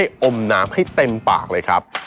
อมน้ำให้เต็มปากเลยครับ